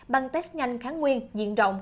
bằng test nhanh kháng nguyên diện rộng